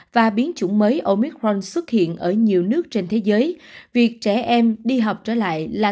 và biến chủng mới omitron xuất hiện ở nhiều nước trên thế giới việc trẻ em đi học trở lại là